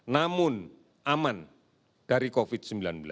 namun aman dari covid sembilan belas